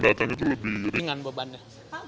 itu lebih ringan bebannya